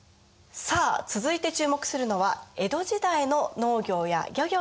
さあ続いて注目するのは江戸時代の農業や漁業について。